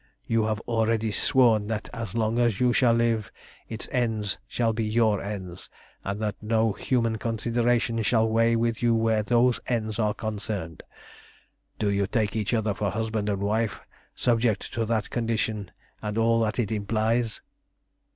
You have already sworn that as long as you shall live its ends shall be your ends, and that no human considerations shall weigh with you where those ends are concerned. Do you take each other for husband and wife subject to that condition and all that it implies?"